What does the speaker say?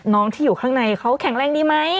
น้องที่อยู่ข้างในเขาแข็งแรงดีไหม